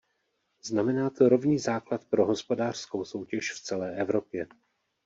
Znamená to rovný základ pro hospodářskou soutěž v celé Evropě.